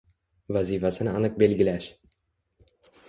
Vazifasini aniq belgilash